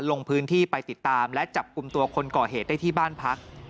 ลงพื้นที่ไปติดตามและจับกลุ่มตัวคนก่อเหตุได้ที่บ้านพัก